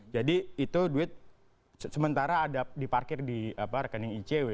jadi itu duit sementara ada diparkir di rekening icw